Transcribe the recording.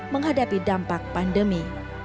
menghadapi dampak pandemi